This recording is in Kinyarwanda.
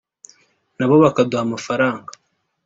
nabo bakaduha amafaranga